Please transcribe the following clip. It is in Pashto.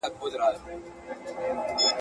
o ما ښه مه کړې، ماپه ښو خلگو واده کړې.